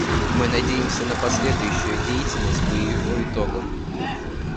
Мы надеемся на последующую деятельность по его итогам.